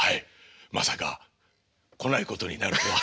まさか来ないことになるとは。